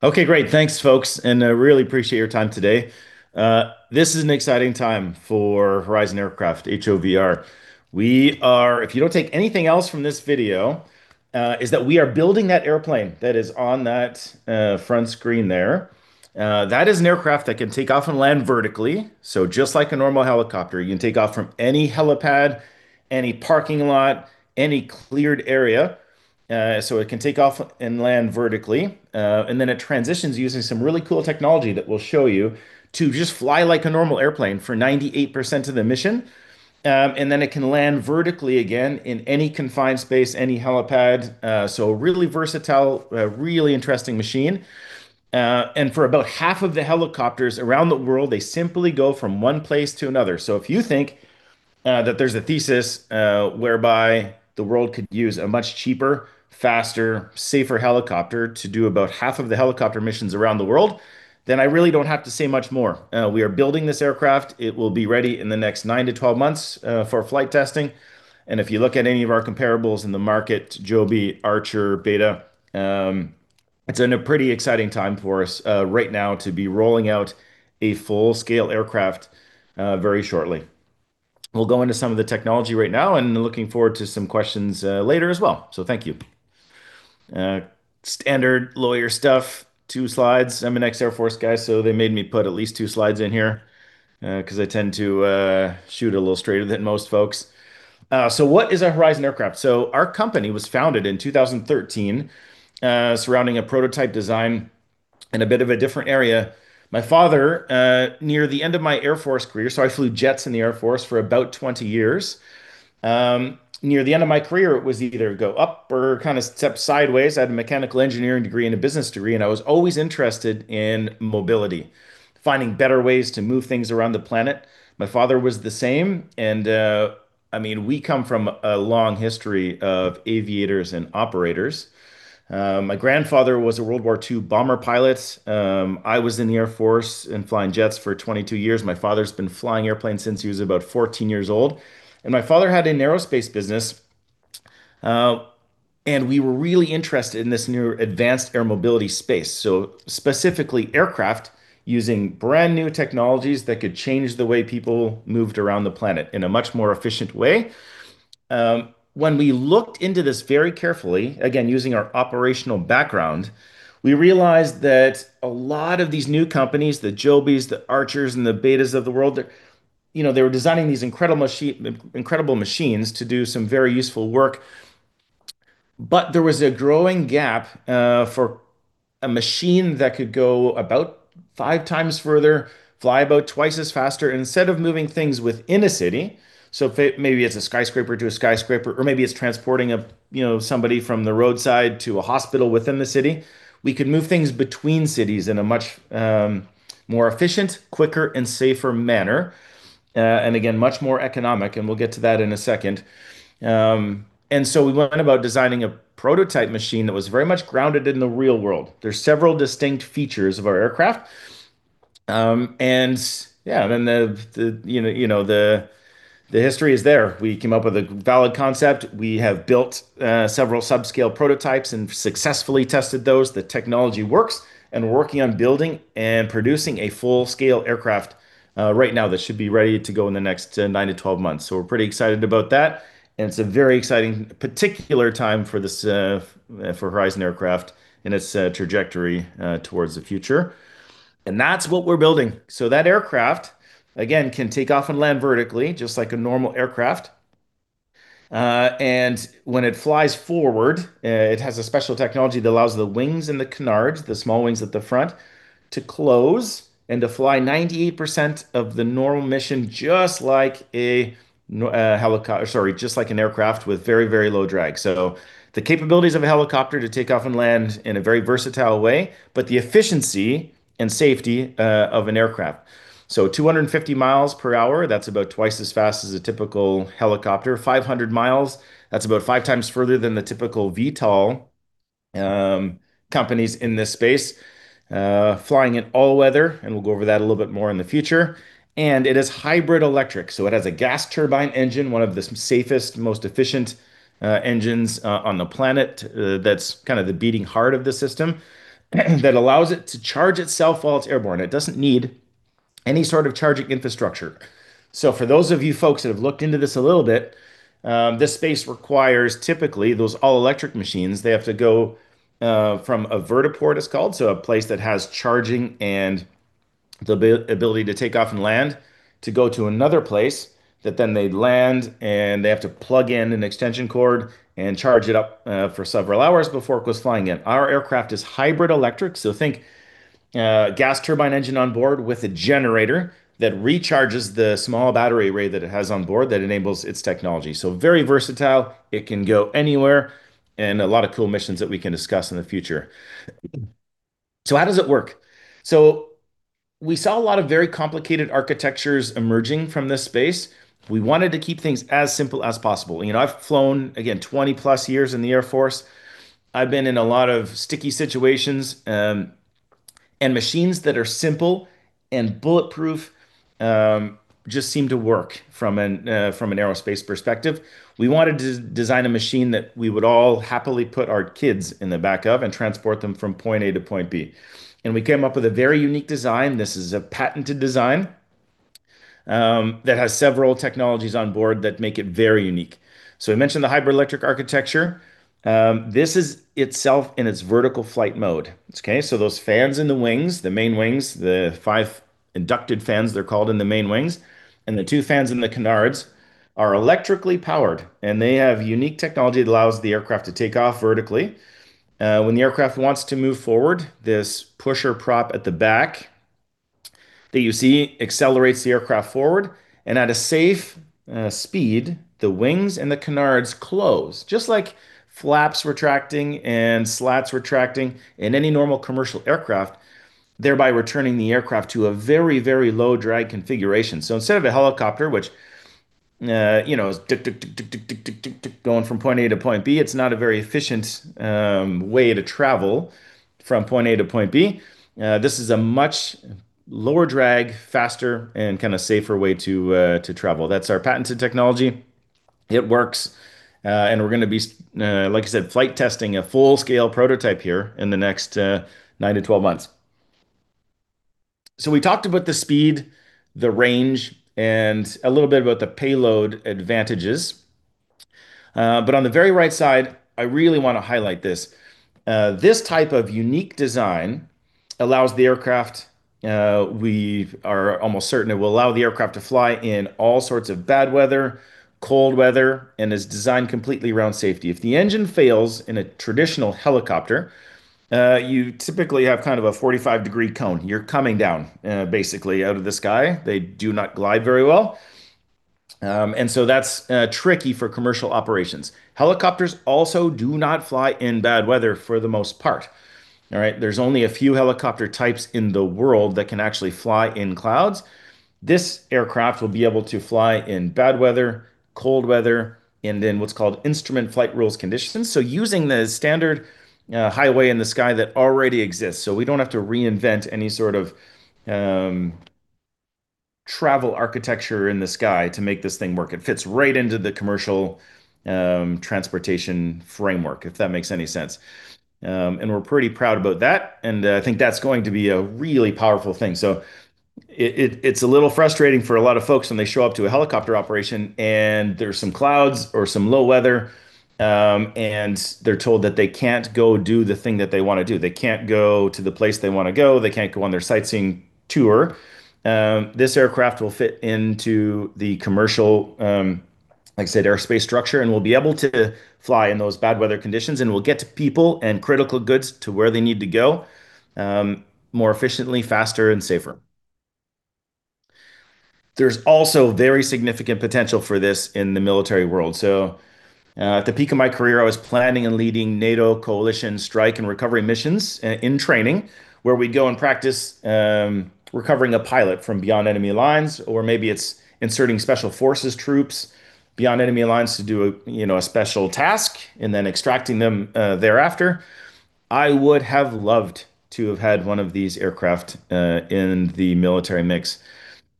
Okay, great. Thanks, folks. I really appreciate your time today. This is an exciting time for Horizon Aircraft, HOVR. If you don't take anything else from this video, is that we are building that airplane that is on that front screen there. That is an aircraft that can take off and land vertically. Just like a normal helicopter, you can take off from any helipad, any parking lot, any cleared area. It can take off and land vertically. Then it transitions using some really cool technology that we'll show you to just fly like a normal airplane for 98% of the mission. Then it can land vertically again in any confined space, any helipad. A really versatile, really interesting machine. For about half of the helicopters around the world, they simply go from one place to another. If you think that there's a thesis whereby the world could use a much cheaper, faster, safer helicopter to do about half of the helicopter missions around the world, then I really don't have to say much more. We are building this aircraft. It will be ready in the next nine-12 months for flight testing. If you look at any of our comparables in the market, Joby, Archer, BETA, it's in a pretty exciting time for us right now to be rolling out a full-scale aircraft very shortly. We'll go into some of the technology right now, and looking forward to some questions later as well. Thank you. Standard lawyer stuff, two slides. I'm an ex-Air Force guy, so they made me put at least two slides in here, because I tend to shoot a little straighter than most folks. What is a Horizon Aircraft? Our company was founded in 2013 surrounding a prototype design in a bit of a different area. My father, near the end of my Air Force career. I flew jets in the Air Force for about 20 years. Near the end of my career, it was either go up or kind of step sideways. I had a mechanical engineering degree and a business degree. I was always interested in mobility, finding better ways to move things around the planet. My father was the same. We come from a long history of aviators and operators. My grandfather was a World War II bomber pilot. I was in the Air Force and flying jets for 22 years. My father's been flying airplanes since he was about 14 years old. My father had an aerospace business. We were really interested in this new advanced air mobility space. Specifically aircraft using brand-new technologies that could change the way people moved around the planet in a much more efficient way. When we looked into this very carefully, again, using our operational background, we realized that a lot of these new companies, the Jobys, the Archers, and the BETAs of the world, they were designing these incredible machines to do some very useful work. There was a growing gap for a machine that could go about five times further, fly about twice as faster. Instead of moving things within a city, maybe it's a skyscraper to a skyscraper, or maybe it's transporting somebody from the roadside to a hospital within the city. We could move things between cities in a much more efficient, quicker, and safer manner. Much more economic, and we'll get to that in a second. We went about designing a prototype machine that was very much grounded in the real world. There are several distinct features of our aircraft. Yeah, the history is there. We came up with a valid concept. We have built several subscale prototypes and successfully tested those. The technology works, and we're working on building and producing a full-scale aircraft right now that should be ready to go in the next nine-12 months. We're pretty excited about that, and it's a very exciting particular time for Horizon Aircraft and its trajectory towards the future. That's what we're building. That aircraft, again, can take off and land vertically just like a normal aircraft. When it flies forward, it has a special technology that allows the wings and the canards, the small wings at the front, to close and to fly 98% of the normal mission just like an aircraft with very, very low drag. The capabilities of a helicopter to take off and land in a very versatile way, but the efficiency and safety of an aircraft. 250 mph, that's about twice as fast as a typical helicopter. 500 mi, that's about five times further than the typical VTOL companies in this space. Flying in all weather, we'll go over that a little bit more in the future. It is hybrid electric, so it has a gas turbine engine, one of the safest, most efficient engines on the planet that's kind of the beating heart of the system that allows it to charge itself while it's airborne. It doesn't need any sort of charging infrastructure. For those of you folks that have looked into this a little bit, this space requires typically those all-electric machines. They have to go from a vertiport it's called, so a place that has charging and the ability to take off and land, to go to another place that then they land, and they have to plug in an extension cord and charge it up for several hours before it goes flying again. Our aircraft is hybrid electric, think gas turbine engine on board with a generator that recharges the small battery array that it has on board that enables its technology. Very versatile. It can go anywhere. A lot of cool missions that we can discuss in the future. How does it work? We saw a lot of very complicated architectures emerging from this space. We wanted to keep things as simple as possible. I've flown, again, 20+ years in the Air Force. I've been in a lot of sticky situations. Machines that are simple and bulletproof just seem to work from an aerospace perspective. We wanted to design a machine that we would all happily put our kids in the back of and transport them from Point A to Point B. We came up with a very unique design. This is a patented design that has several technologies on board that make it very unique. I mentioned the hybrid electric architecture. This is itself in its vertical flight mode. Okay. Those fans in the wings, the main wings, the five ducted fans, they're called, in the main wings, and the 2 fans in the canards are electrically powered, and they have unique technology that allows the aircraft to take off vertically. When the aircraft wants to move forward, this pusher prop at the back that you see accelerates the aircraft forward. At a safe speed, the wings and the canards close, just like flaps retracting and slats retracting in any normal commercial aircraft, thereby returning the aircraft to a very, very low drag configuration. Instead of a helicopter, which is going from Point A to Point B, it's not a very efficient way to travel from Point A to Point B. This is a much lower drag, faster, and safer way to travel. That's our patented technology. It works. We're going to be, like I said, flight testing a full-scale prototype here in the next nine-12 months. We talked about the speed, the range, and a little bit about the payload advantages. On the very right side, I really want to highlight this. This type of unique design allows the aircraft, we are almost certain it will allow the aircraft to fly in all sorts of bad weather, cold weather, and is designed completely around safety. If the engine fails in a traditional helicopter, you typically have a 45-degree cone. You're coming down, basically, out of the sky. They do not glide very well. That's tricky for commercial operations. Helicopters also do not fly in bad weather for the most part. All right? There's only a few helicopter types in the world that can actually fly in clouds. This aircraft will be able to fly in bad weather, cold weather, and in what's called instrument flight rules conditions. Using the standard highway in the sky that already exists. We don't have to reinvent any sort of travel architecture in the sky to make this thing work. It fits right into the commercial transportation framework, if that makes any sense. We're pretty proud about that, and I think that's going to be a really powerful thing. It's a little frustrating for a lot of folks when they show up to a helicopter operation and there's some clouds or some low weather, and they're told that they can't go do the thing that they want to do. They can't go to the place they want to go. They can't go on their sightseeing tour. This aircraft will fit into the commercial, like I said, aerospace structure and will be able to fly in those bad weather conditions and will get people and critical goods to where they need to go more efficiently, faster, and safer. There's also very significant potential for this in the military world. At the peak of my career, I was planning on leading NATO coalition strike and recovery missions in training where we'd go and practice recovering a pilot from beyond enemy lines, or maybe it's inserting Special Forces troops beyond enemy lines to do a special task and then extracting them thereafter. I would have loved to have had one of these aircraft in the military mix.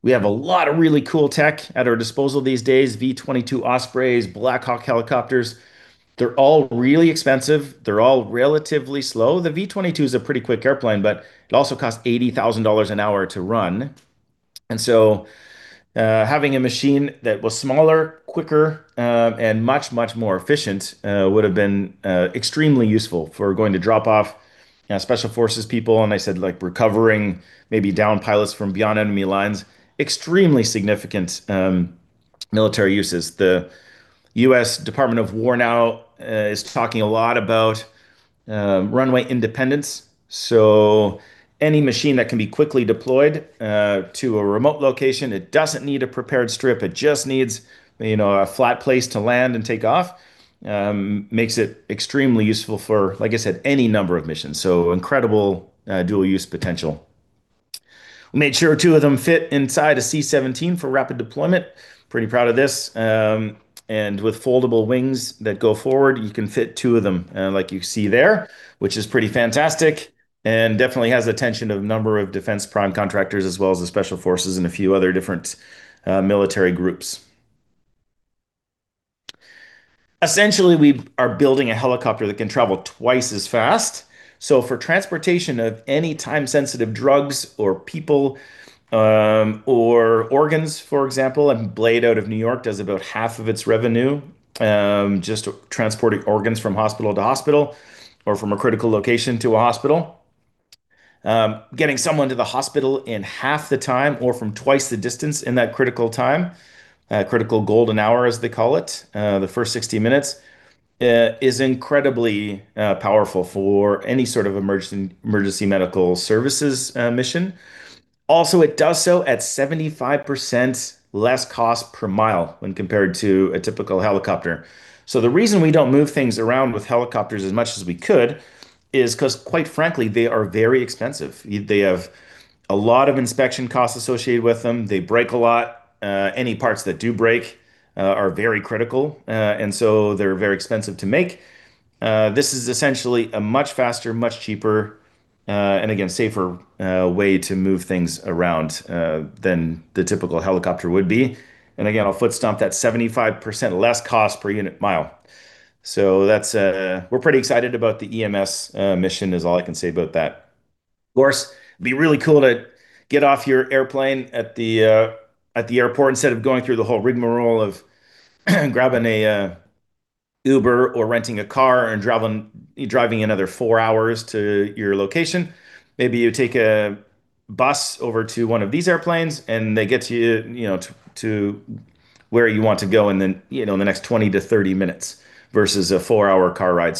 We have a lot of really cool tech at our disposal these days, V-22 Osprey, Black Hawk helicopters. They're all really expensive. They're all relatively slow. The V-22 is a pretty quick airplane, but it also costs 80,000 dollars an hour to run. Having a machine that was smaller, quicker, and much more efficient would've been extremely useful for going to drop off Special Forces people, and I said recovering maybe downed pilots from beyond enemy lines. Extremely significant military uses. The U.S. Department of Defense now is talking a lot about runway independence. Any machine that can be quickly deployed to a remote location, it doesn't need a prepared strip, it just needs a flat place to land and take off, makes it extremely useful for, like I said, any number of missions. Incredible dual-use potential. We made sure two of them fit inside a C-17 for rapid deployment. Pretty proud of this. With foldable wings that go forward, you can fit two of them, like you see there, which is pretty fantastic and definitely has the attention of a number of defense prime contractors, as well as the Special Forces and a few other different military groups. Essentially, we are building a helicopter that can travel twice as fast. For transportation of any time-sensitive drugs or people or organs, for example, Blade out of New York does about half of its revenue just transporting organs from hospital to hospital or from a critical location to a hospital. Getting someone to the hospital in half the time or from twice the distance in that critical time, critical golden hour, as they call it, the first 60 minutes, is incredibly powerful for any sort of emergency medical services mission. It does so at 75% less cost per mile when compared to a typical helicopter. The reason we don't move things around with helicopters as much as we could is because quite frankly, they are very expensive. They have a lot of inspection costs associated with them. They break a lot. Any parts that do break are very critical, and so they're very expensive to make. This is essentially a much faster, much cheaper and again, safer way to move things around than the typical helicopter would be. Again, I'll foot stomp that 75% less cost per unit mile. We're pretty excited about the EMS mission is all I can say about that. Of course, it'd be really cool to get off your airplane at the airport instead of going through the whole rigmarole of grabbing a Uber or renting a car and driving another four hours to your location. Maybe you take a bus over to one of these airplanes and they get you to where you want to go in the next 20 to 30 minutes versus a four-hour car ride.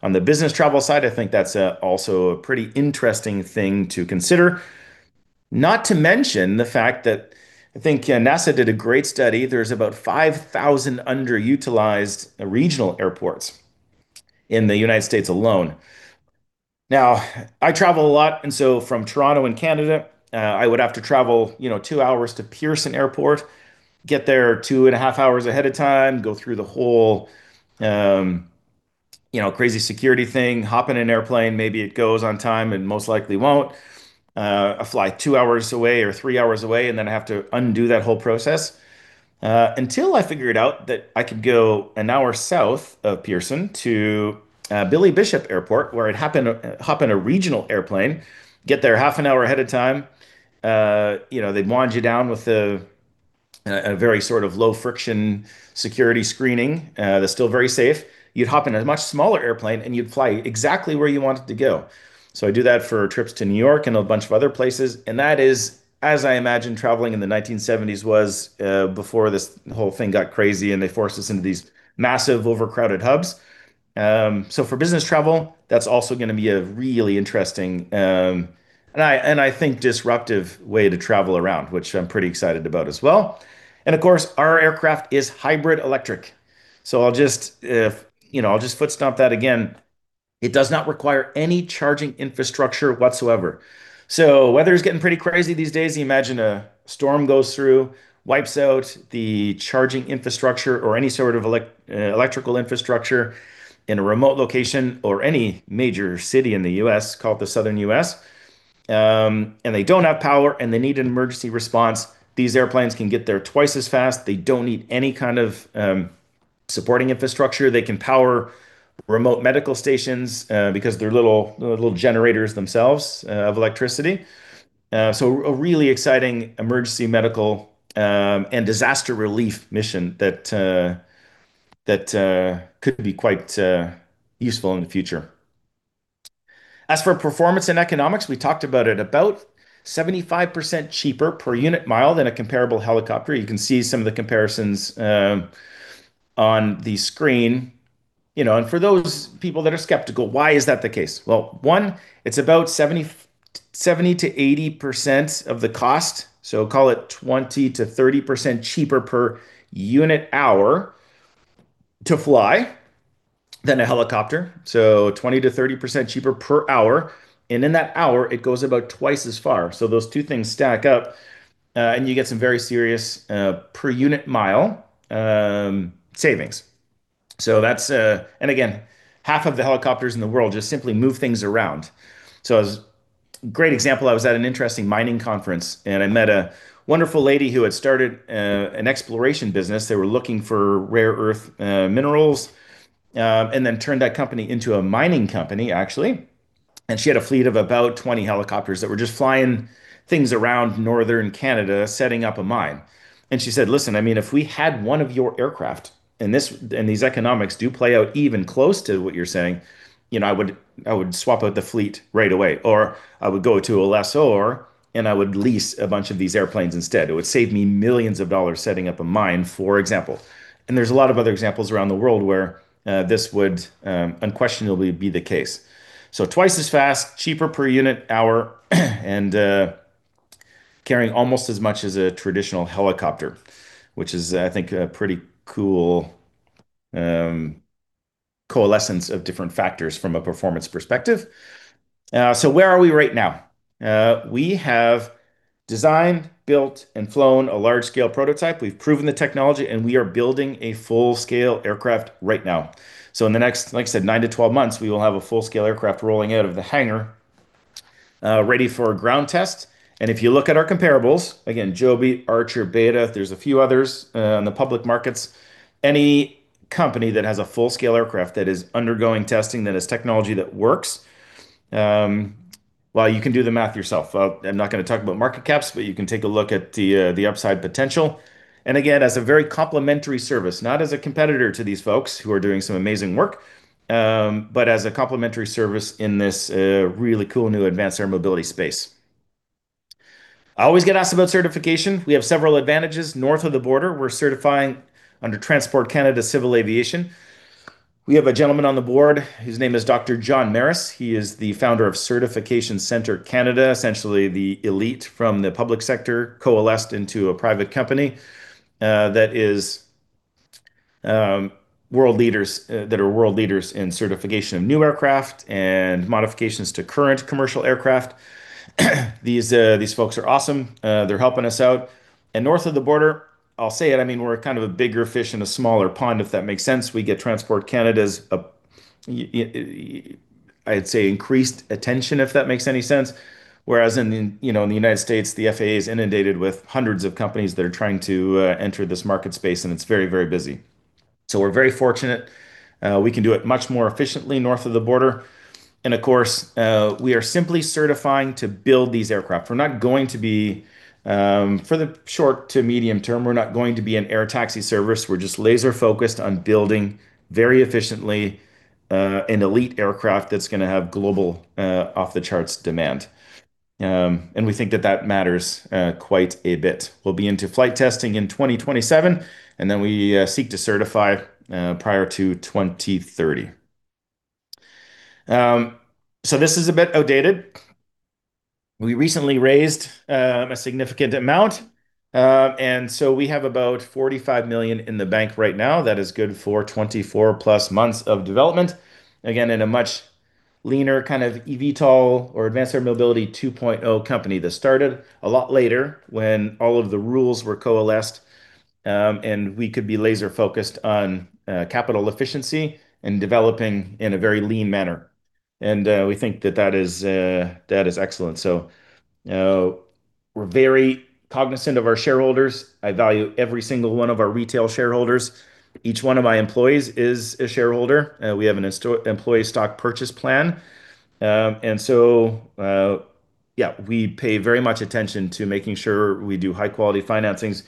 On the business travel side, I think that's also a pretty interesting thing to consider. Not to mention the fact that I think NASA did a great study. There's about 5,000 underutilized regional airports in the United States alone. I travel a lot and so from Toronto in Canada, I would have to travel two hours to Pearson Airport, get there 2.5 Hours ahead of time, go through the whole crazy security thing, hop in an airplane, maybe it goes on time and most likely won't. I fly two hours away or three hours away, I have to undo that whole process. Until I figured out that I could go an hour south of Pearson to Billy Bishop Airport, where I'd hop in a regional airplane, get there half an hour ahead of time. They'd wand you down with a very sort of low friction security screening that's still very safe. You'd hop in a much smaller airplane and you'd fly exactly where you wanted to go. I do that for trips to New York and a bunch of other places, and that is as I imagine traveling in the 1970s was before this whole thing got crazy and they forced us into these massive overcrowded hubs. For business travel, that's also going to be a really interesting, and I think disruptive way to travel around, which I'm pretty excited about as well. Of course, our aircraft is hybrid electric. I'll just foot stomp that again. It does not require any charging infrastructure whatsoever. Weather's getting pretty crazy these days. You imagine a storm goes through, wipes out the charging infrastructure or any sort of electrical infrastructure in a remote location or any major city in the U.S., call it the Southern U.S., and they don't have power and they need an emergency response. These airplanes can get there twice as fast. They don't need any kind of supporting infrastructure. They can power remote medical stations because they're little generators themselves of electricity. A really exciting emergency medical and disaster relief mission that could be quite useful in the future. As for performance and economics, we talked about it. About 75% cheaper per unit mile than a comparable helicopter. You can see some of the comparisons on the screen. For those people that are skeptical, why is that the case? Well, one, it's about 70%-80% of the cost, so call it 20%-30% cheaper per unit hour to fly than a helicopter. 20%-30% cheaper per hour. In that hour it goes about twice as far. Those two things stack up, and you get some very serious per unit mile savings. Again, half of the helicopters in the world just simply move things around. A great example, I was at an interesting mining conference and I met a wonderful lady who had started an exploration business. They were looking for rare earth minerals, turned that company into a mining company, actually. She had a fleet of about 20 helicopters that were just flying things around northern Canada setting up a mine. She said, "Listen, if we had one of your aircraft and these economics do play out even close to what you're saying, I would swap out the fleet right away. Or I would go to a lessor and I would lease a bunch of these airplanes instead. It would save me millions of dollars setting up a mine," for example. There's a lot of other examples around the world where this would unquestionably be the case. Twice as fast, cheaper per unit hour, and carrying almost as much as a traditional helicopter, which is I think a pretty cool coalescence of different factors from a performance perspective. Where are we right now? We have designed, built and flown a large scale prototype. We've proven the technology, and we are building a full-scale aircraft right now. In the next, like I said, nine-12 months, we will have a full-scale aircraft rolling out of the hangar, ready for a ground test. If you look at our comparables, again, Joby, Archer, BETA, there's a few others on the public markets. Any company that has a full-scale aircraft that is undergoing testing, that has technology that works. Well, you can do the math yourself. I'm not going to talk about market caps, but you can take a look at the upside potential. Again, as a very complementary service, not as a competitor to these folks who are doing some amazing work, but as a complementary service in this really cool new advanced air mobility space. I always get asked about certification. We have several advantages. North of the border, we're certifying under Transport Canada Civil Aviation. We have a gentleman on the board, his name is Dr. John Maris. He is the Founder of Cert Center Canada, essentially the elite from the public sector coalesced into a private company that are world leaders in certification of new aircraft and modifications to current commercial aircraft. These folks are awesome. They're helping us out. North of the border, I'll say it, we're kind of a bigger fish in a smaller pond, if that makes sense. We get Transport Canada's, I'd say, increased attention, if that makes any sense. Whereas in the U.S., the FAA is inundated with hundreds of companies that are trying to enter this market space, and it's very busy. We're very fortunate. We can do it much more efficiently north of the border. Of course, we are simply certifying to build these aircraft. For the short to medium term, we're not going to be an air taxi service. We're just laser-focused on building very efficiently an elite aircraft that's going to have global off-the-charts demand. We think that that matters quite a bit. We'll be into flight testing in 2027, and then we seek to certify prior to 2030. This is a bit outdated. We recently raised a significant amount. We have about 45 million in the bank right now. That is good for 24+ months of development. Again, in a much leaner kind of eVTOL or advanced air mobility 2.0 company that started a lot later, when all of the rules were coalesced, and we could be laser-focused on capital efficiency and developing in a very lean manner. We think that that is excellent. We're very cognizant of our shareholders. I value every single one of our retail shareholders. Each one of my employees is a shareholder. We have an employee stock purchase plan. Yeah, we pay very much attention to making sure we do high-quality financings.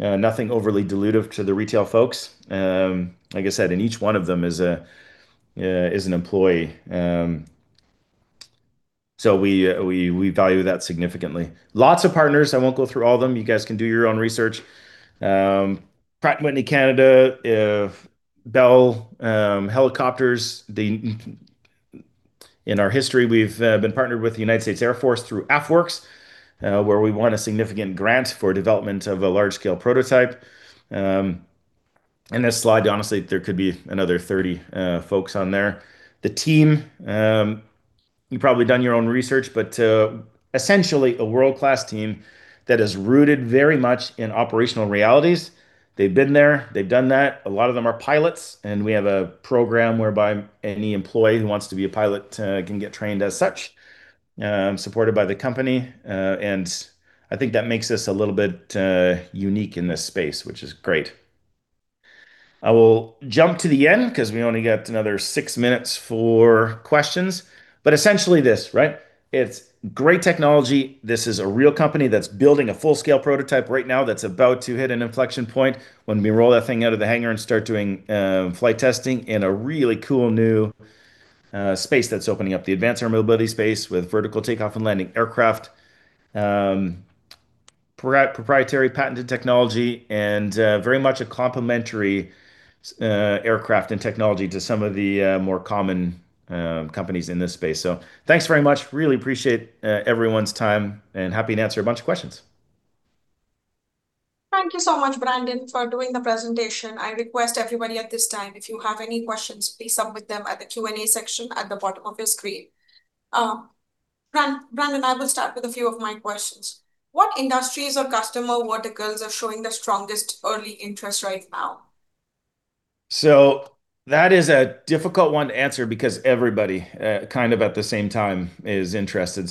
Nothing overly dilutive to the retail folks. Like I said, each one of them is an employee. We value that significantly. Lots of partners. I won't go through all of them. You guys can do your own research. Pratt & Whitney Canada, Bell. In our history, we've been partnered with the United States Air Force through AFWERX, where we won a significant grant for development of a large-scale prototype. In this slide, honestly, there could be another 30 folks on there. The team, you've probably done your own research, but essentially a world-class team that is rooted very much in operational realities. They've been there, they've done that. A lot of them are pilots, and we have a program whereby any employee who wants to be a pilot can get trained as such, supported by the company. I think that makes us a little bit unique in this space, which is great. I will jump to the end because we only got another six minutes for questions, but essentially this, right? It's great technology. This is a real company that's building a full-scale prototype right now, that's about to hit an inflection point when we roll that thing out of the hangar and start doing flight testing in a really cool new space that's opening up, the advanced air mobility space with vertical takeoff and landing aircraft. Proprietary patented technology, very much a complementary aircraft and technology to some of the more common companies in this space. Thanks very much. Really appreciate everyone's time, and happy to answer a bunch of questions. Thank you so much, Brandon, for doing the presentation. I request everybody at this time, if you have any questions, please submit them at the Q&A section at the bottom of your screen. Brandon, I will start with a few of my questions. What industries or customer verticals are showing the strongest early interest right now? That is a difficult one to answer because everybody at the same time is interested.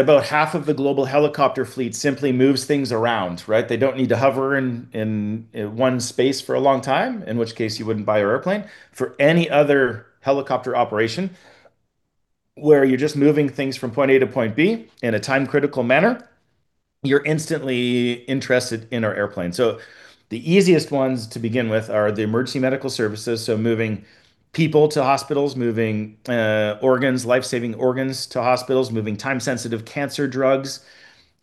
About half of the global helicopter fleet simply moves things around, right? They don't need to hover in one space for a long time, in which case you wouldn't buy our airplane. For any other helicopter operation, where you're just moving things from Point A to Point B in a time-critical manner, you're instantly interested in our airplane. The easiest ones to begin with are the Emergency Medical Services, so moving people to hospitals, moving life-saving organs to hospitals, moving time-sensitive cancer drugs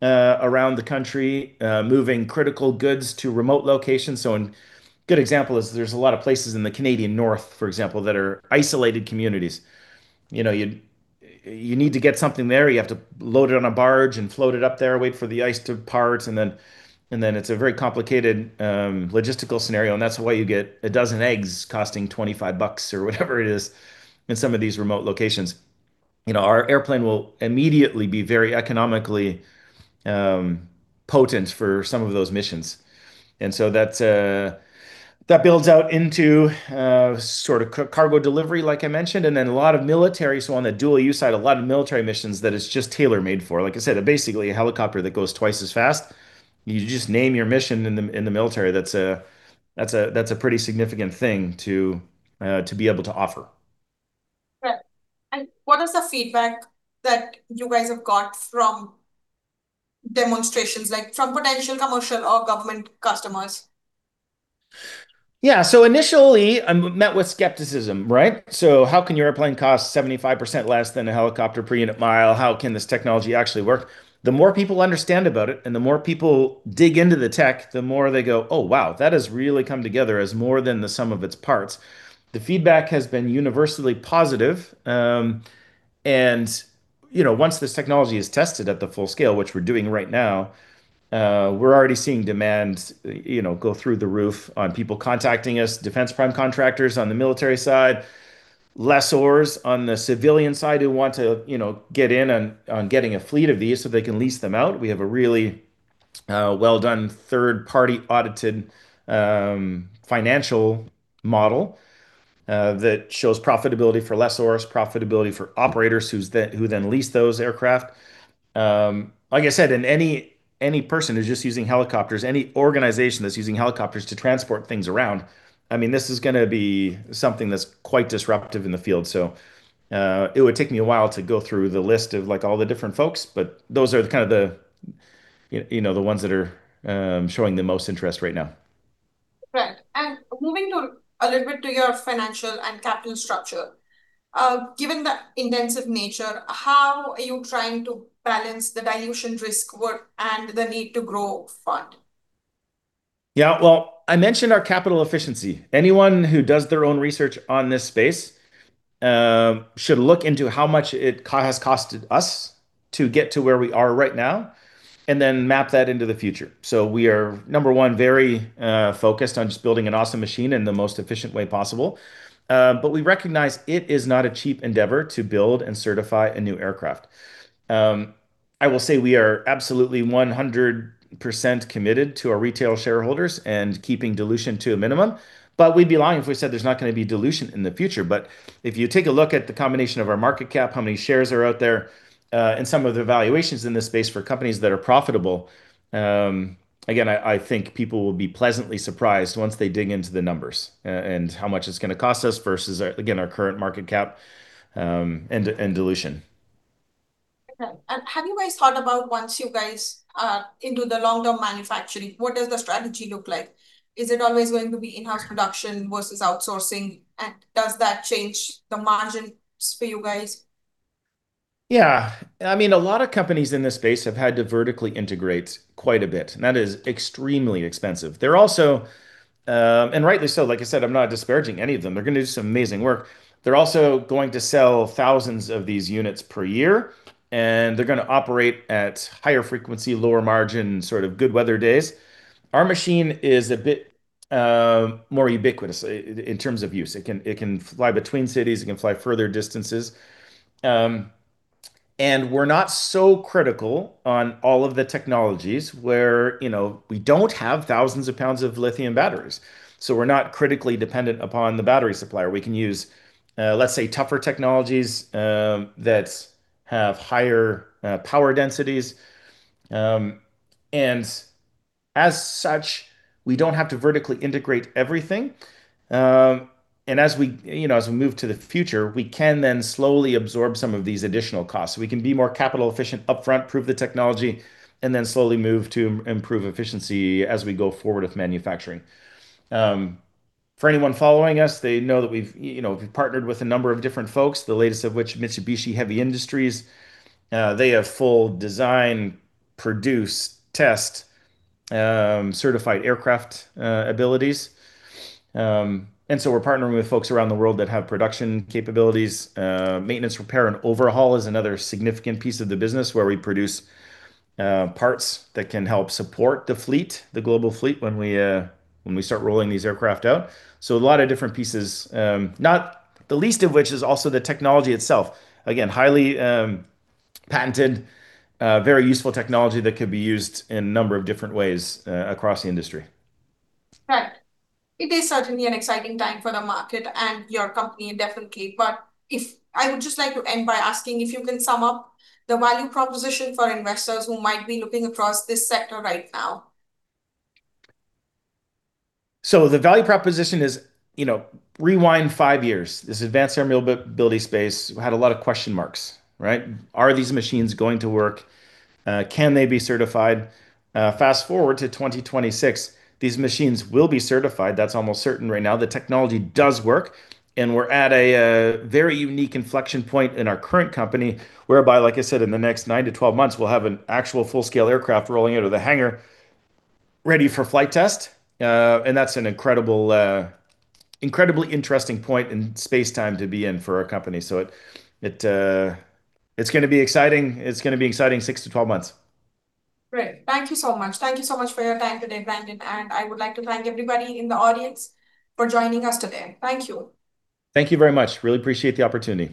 around the country, moving critical goods to remote locations. A good example is there's a lot of places in the Canadian North that are isolated communities. You need to get something there, you have to load it on a barge and float it up there, wait for the ice to part. It's a very complicated logistical scenario. That's why you get a dozen eggs costing 25 bucks or whatever it is in some of these remote locations. Our airplane will immediately be very economically potent for some of those missions. That builds out into sort of cargo delivery, like I mentioned, and then a lot of military. On the dual use side, a lot of military missions that it's just tailor-made for. Like I said, basically a helicopter that goes twice as fast. You just name your mission in the military. That's a pretty significant thing to be able to offer. Right. What is the feedback that you guys have got from demonstrations, like from potential commercial or government customers? Yeah. Initially, I'm met with skepticism, right? "How can your airplane cost 75% less than a helicopter per unit mile? How can this technology actually work?" The more people understand about it, and the more people dig into the tech, the more they go, "Oh, wow. That has really come together as more than the sum of its parts." The feedback has been universally positive. Once this technology is tested at the full scale, which we're doing right now, we're already seeing demand go through the roof on people contacting us, defense prime contractors on the military side, lessors on the civilian side who want to get in on getting a fleet of these so they can lease them out. We have a really well-done third-party audited financial model that shows profitability for lessors, profitability for operators who then lease those aircraft. Like I said, and any person who's just using helicopters, any organization that's using helicopters to transport things around, this is going to be something that's quite disruptive in the field. It would take me a while to go through the list of all the different folks, but those are the ones that are showing the most interest right now. Right. Moving a little bit to your financial and capital structure, given the intensive nature, how are you trying to balance the dilution risk work and the need to grow fund? Well, I mentioned our capital efficiency. Anyone who does their own research on this space should look into how much it has costed us to get to where we are right now and then map that into the future. We are, number one, very focused on just building an awesome machine in the most efficient way possible. We recognize it is not a cheap endeavor to build and certify a new aircraft. I will say we are absolutely 100% committed to our retail shareholders and keeping dilution to a minimum. We'd be lying if we said there's not going to be dilution in the future. If you take a look at the combination of our market cap, how many shares are out there, and some of the valuations in this space for companies that are profitable, again, I think people will be pleasantly surprised once they dig into the numbers and how much it's going to cost us versus, again, our current market cap and dilution. Okay. Have you guys thought about once you guys are into the long-term manufacturing, what does the strategy look like? Is it always going to be in-house production versus outsourcing? Does that change the margins for you guys? Yeah. A lot of companies in this space have had to vertically integrate quite a bit. That is extremely expensive. Rightly so. Like I said, I'm not disparaging any of them. They're going to do some amazing work. They're also going to sell thousands of these units per year. They're going to operate at higher frequency, lower margin, sort of good weather days. Our machine is a bit more ubiquitous in terms of use. It can fly between cities, it can fly further distances. We're not so critical on all of the technologies where we don't have thousands of pounds of lithium batteries. We're not critically dependent upon the battery supplier. We can use, let's say, tougher technologies that have higher power densities. As such, we don't have to vertically integrate everything. As we move to the future, we can then slowly absorb some of these additional costs, so we can be more capital efficient upfront, prove the technology, and then slowly move to improve efficiency as we go forward with manufacturing. For anyone following us, they know that we've partnered with a number of different folks, the latest of which, Mitsubishi Heavy Industries. They have full design, produce, test, certified aircraft abilities. We're partnering with folks around the world that have production capabilities. maintenance, repair, and overhaul is another significant piece of the business where we produce parts that can help support the fleet, the global fleet, when we start rolling these aircraft out. A lot of different pieces, not the least of which is also the technology itself. Again, highly patented, very useful technology that could be used in a number of different ways across the industry. Right. It is certainly an exciting time for the market and your company, definitely. I would just like to end by asking if you can sum up the value proposition for investors who might be looking across this sector right now. The value proposition is, rewind five years. This advanced air mobility space had a lot of question marks, right? Are these machines going to work? Can they be certified? Fast-forward to 2026, these machines will be certified. That's almost certain right now. The technology does work, we're at a very unique inflection point in our current company whereby, like I said, in the next nine-12 months, we'll have an actual full-scale aircraft rolling out of the hangar ready for flight test. That's an incredibly interesting point in space time to be in for our company. It's going to be exciting six-12 months. Great. Thank you so much. Thank you so much for your time today, Brandon. I would like to thank everybody in the audience for joining us today. Thank you. Thank you very much. Really appreciate the opportunity.